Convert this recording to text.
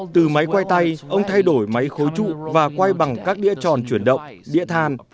từ máy quay tay ông thay đổi máy khối trụ và quay bằng các đĩa tròn chuyển động đĩa than